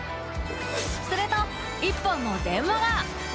すると一本の電話が。